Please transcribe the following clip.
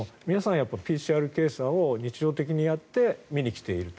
やっぱりＰＣＲを日常的にやって見に来ていると。